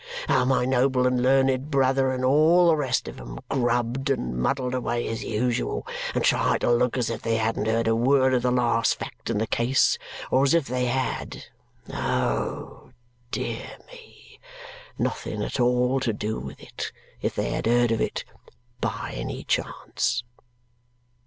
How my noble and learned brother, and all the rest of 'em, grubbed and muddled away as usual and tried to look as if they hadn't heard a word of the last fact in the case or as if they had Oh, dear me! nothing at all to do with it if they had heard of it by any chance!"